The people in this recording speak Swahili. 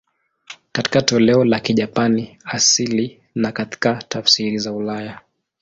Katika toleo la Kijapani asili na katika tafsiri za ulaya.